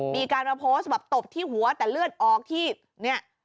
มีการมาโพสต์แบบตบที่หัวแต่เลือดออกที่เนี่ย